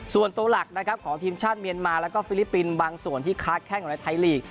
ส่วนตัวหลักของทีมชาติเมเนมาและฟิลิปปินส์บางส่วนที่คลาดแค่ในท้ายลีก